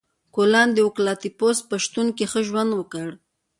کوالان د اوکالیپتوس په شتون کې ښه ژوند وکړ.